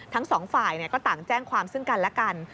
ทั้งสองฝ่ายก็ต่างแจ้งความซึ่งกันและกัน